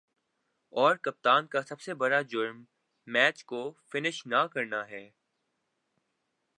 اور کپتان کا سب سے بڑا"جرم" میچ کو فنش نہ کرنا ہے ۔